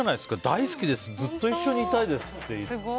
大好きですずっと一緒にいたいですって。